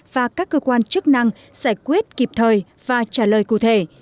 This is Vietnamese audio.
và các cơ quan chức năng giải quyết kịp thời và trả lời cụ thể